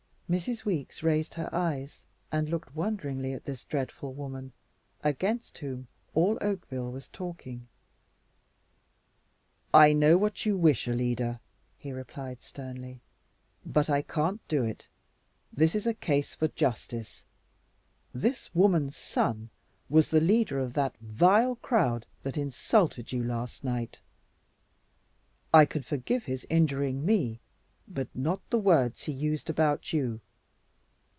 Mrs. Weeks raised her eyes and looked wonderingly at this dreadful woman, against whom all Oakville was talking. "I know what you wish, Alida," he replied sternly, "but I can't do it. This is a case for justice. This woman's son was the leader of that vile crowd that insulted you last night. I can forgive his injuring me, but not the words he used about you.